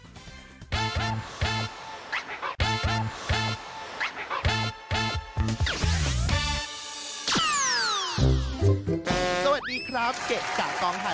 สวัสดีครับเกะกะกองถ่าย